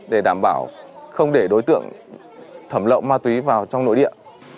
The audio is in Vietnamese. để đảm bảo không để đối tượng thẩm lộ ma túy vào trong nội địa